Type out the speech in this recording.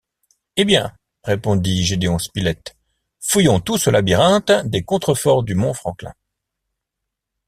Eh bien! répondit Gédéon Spilett, fouillons tout ce labyrinthe des contreforts du mont Franklin